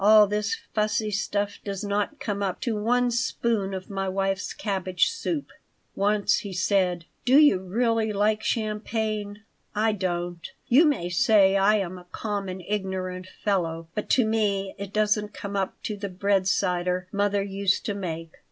All this fussy stuff does not come up to one spoon of my wife's cabbage soup." Once he said: "Do you really like champagne? I don't. You may say I am a common, ignorant fellow, but to me it doesn't come up to the bread cider mother used to make.